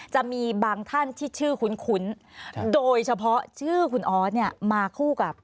จะมีบางท่านที่ชื่อคุ้นโดยเฉพาะชื่อคุณออสเนี่ยมาคู่กับ